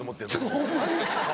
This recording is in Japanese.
ホンマに。